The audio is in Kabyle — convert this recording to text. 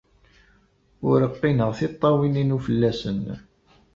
Ur qqineɣ tiṭṭawin-inu fell-asen.